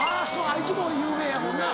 あいつも有名やもんな。